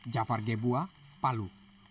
jafar gebuah palu